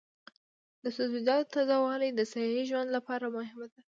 د سبزیجاتو تازه والي د صحي ژوند لپاره مهمه ده.